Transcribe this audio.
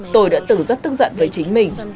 tôi đã từng rất tức giận với chính mình